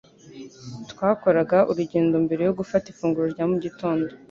Twakoraga urugendo mbere yo gufata ifunguro rya mu gitondo.